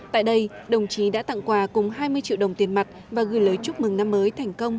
tại đây đồng chí đã tặng quà cùng hai mươi triệu đồng tiền mặt và gửi lời chúc mừng năm mới thành công